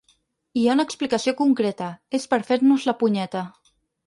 Hi ha una explicació concreta: és per fer-nos la punyeta!